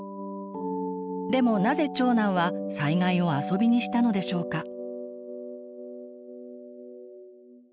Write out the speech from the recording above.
でもなぜ長男は災害を遊びにしたのでしょうか？